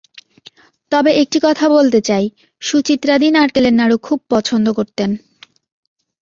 তবে একটি কথা বলতে চাই, সুচিত্রাদি নারকেলের নাড়ু খুব পছন্দ করতেন।